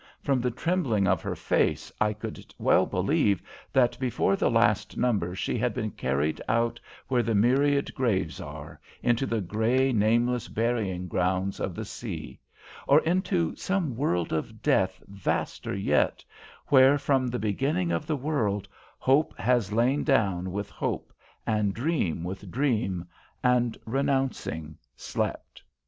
From the trembling of her face I could well believe that before the last number she had been carried out where the myriad graves are, into the grey, nameless burying grounds of the sea; or into some world of death vaster yet, where, from the beginning of the world, hope has lain down with hope and dream with dream and, renouncing, slept.